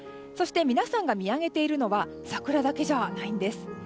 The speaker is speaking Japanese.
そして皆さんが見上げているのは桜だけじゃないんです。